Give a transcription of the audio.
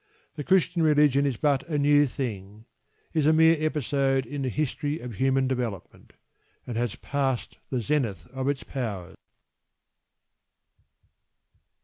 The Christian religion is but a new thing, is a mere episode in the history of human development, and has passed the zenith of its power.